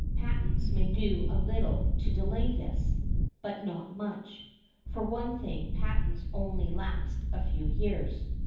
Patents may do a little to delay this, but not much. For one thing, patents only last a few years.